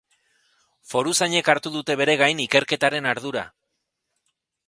Foruzainek hartu dute beregain ikerketaren ardura.